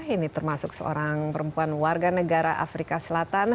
ini termasuk seorang perempuan warga negara afrika selatan